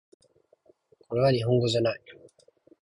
jdmpjdmx